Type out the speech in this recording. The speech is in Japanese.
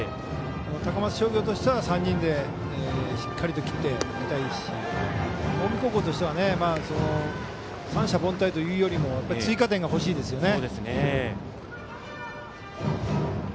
高松商業としては３人でしっかりと切りたいし近江高校としては三者凡退というよりもやっぱり追加点が欲しいですよね。